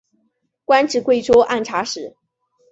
官至贵州按察使。